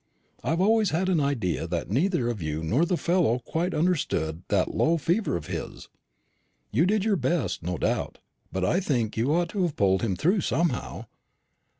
I've always had an idea that neither you nor the other fellow quite understood that low fever of his. You did your best, no doubt; but I think you ought to have pulled him through somehow.